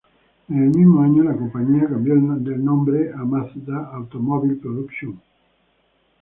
En el mismo año la compañía cambió el nombre a "Mazda automobile production Co.